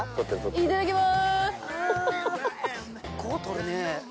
いただきます。